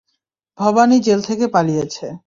Bhabani jail থেকে পালিয়েছে।